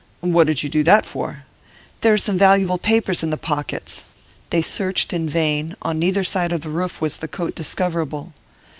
'What did you do that for?' 'There are some valuable papers in the pockets.' They searched in vain; on neither side of the roof was the coat discoverable.